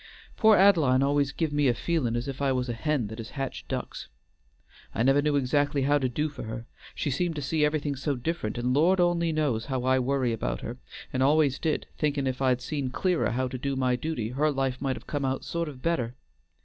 Poor Ad'line always give me a feelin' as if I was a hen that has hatched ducks. I never knew exactly how to do for her, she seemed to see everything so different, and Lord only knows how I worry about her; and al'ays did, thinkin' if I'd seen clearer how to do my duty her life might have come out sort of better.